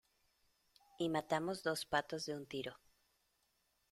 y matamos dos patos de un tiro.